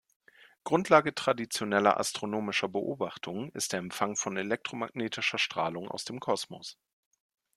Grundlage traditioneller astronomischer Beobachtungen ist der Empfang von elektromagnetischer Strahlung aus dem Kosmos.